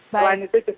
selain itu juga